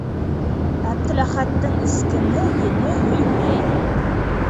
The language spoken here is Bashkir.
Әптеләхәттең эскене ене һөймәй.